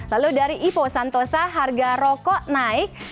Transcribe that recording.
lalu dari ipo santosa harga rokok naik